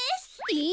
え！